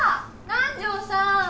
南条さん！